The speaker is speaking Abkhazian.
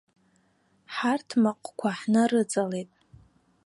Ҳарҭмаҟқәа ҳнарыҵалеит.